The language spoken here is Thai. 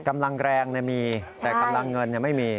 กำลังแรงมีแต่กำลังเงินไม่มี